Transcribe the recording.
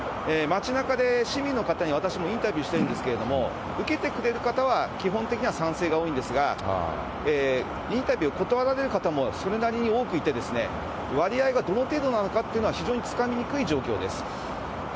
町なかで市民の方に私もインタビューしてるんですけれども、受けてくれる方は基本的には賛成が多いんですが、インタビューを断られる方も、それなりに多くいて、割合がどの程度なのかというのは、非常につかみにくい状況です。